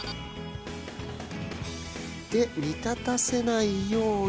で煮立たせないように。